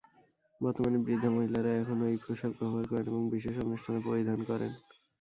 বর্তমানে বৃদ্ধা মহিলারা এখনও এই পোশাক ব্যবহার করেন এবং বিশেষ অনুষ্ঠানে পরিধান করেন।